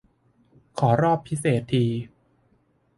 ขอรอบพิเศษ ที